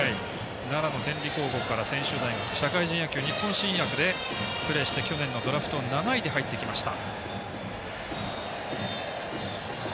奈良の天理高校から専修大学社会人野球日本新薬でプレーして去年のドラフト７位になりました。